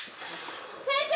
「先生！